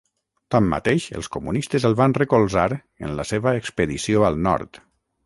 Tanmateix els comunistes el van recolzar en la seva Expedició al Nord.